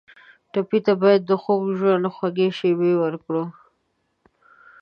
ټپي ته باید د خوږ ژوند خوږې شېبې ورکړو.